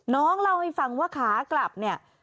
น้องเล่าให้ฟังว่าขากลับเนี่ย